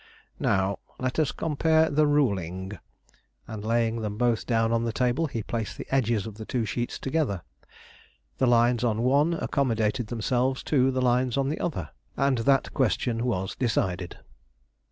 "Now let us compare the ruling." And, laying them both down on the table, he placed the edges of the two sheets together. The lines on the one accommodated themselves to the lines on the other; and that question was decided.